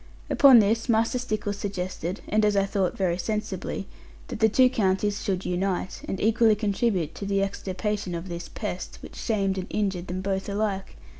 Upon this, Master Stickles suggested, and as I thought very sensibly, that the two counties should unite, and equally contribute to the extirpation of this pest, which shamed and injured them both alike.